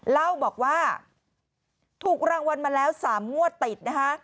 เล่าบอกว่าถูกรางวัลมาแล้ว๓งวดติดนะคะ